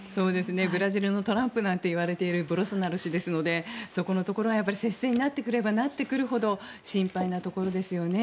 ブラジルのトランプなんていわれているボルソナロ氏ですのでそこのところは接戦になってくればなってくるほど心配なところですよね。